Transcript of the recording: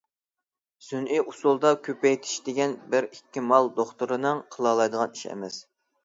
سۈنئىي ئۇسۇلدا كۆپەيتىش دېگەن بىر ئىككى مال دوختۇرىنىڭ قىلالايدىغان ئىشى ئەمەس.